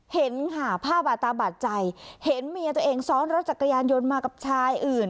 เห็นค่ะผ้าบาดตาบาดใจเห็นเมียตัวเองซ้อนรถจักรยานยนต์มากับชายอื่น